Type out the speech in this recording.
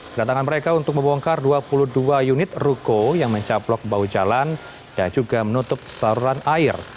kedatangan mereka untuk membongkar dua puluh dua unit ruko yang mencaplok bahu jalan dan juga menutup saluran air